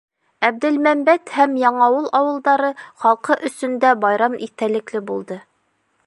Әбделмәмбәт һәм Яңауыл ауылдары халҡы өсөн дә байрам иҫтәлекле булды.